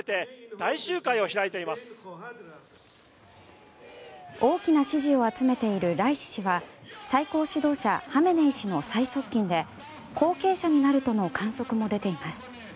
大きな支持を集めているライシ師は最高指導者ハメネイ師の最側近で後継者になるとの観測も出ています。